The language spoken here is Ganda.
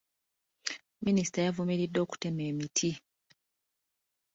Minisita yavumiridde okutema emiti .